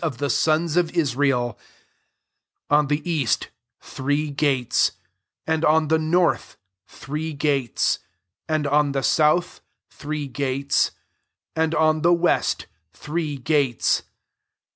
of the sons of Israel : 13 on the east, three gates; and on the north, three gates ; and on the south, three gates ; and on the west, three gates.